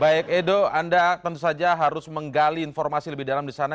baik edo anda tentu saja harus menggali informasi lebih dalam di sana